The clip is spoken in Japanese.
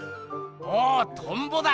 おおトンボだ！